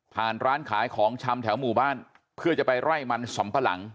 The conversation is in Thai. ร้านขายของชำแถวหมู่บ้านเพื่อจะไปไล่มันสำปะหลัง